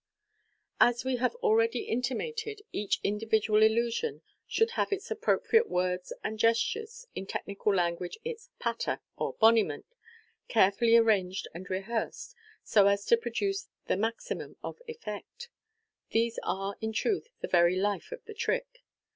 As we have already intimated, each individual illusion should have its appropriate words and gestures — in technical language, its " patter,* or " boniment "— carefully arranged and rehearsed, so as to produce the maximum of effect. These are, in truth, the very life of the trick.